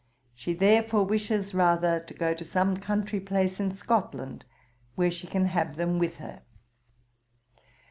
She therefore wishes rather to go to some country place in Scotland, where she can have them with her.